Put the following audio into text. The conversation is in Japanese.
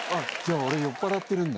俺酔っぱらってるんだ。